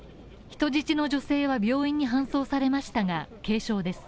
人質の女性は病院に搬送されましたが、軽傷です。